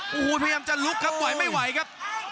โอ้โหพยายามจะลุกครับไหวไม่ไหวครับ